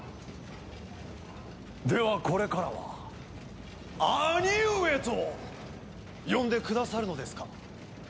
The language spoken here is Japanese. ではこれからは「義兄上」と呼んでくださるのですか？